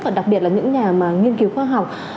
và đặc biệt là những nhà nghiên cứu khoa học